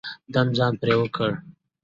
دوهم ځان پرې پوه کړئ.